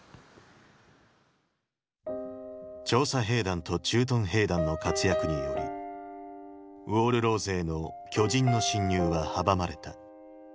調査兵団と駐屯兵団の活躍によりウォール・ローゼへの巨人の侵入は阻まれた。